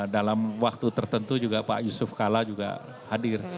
dalam waktu tertentu juga pak yusuf kalla juga hadir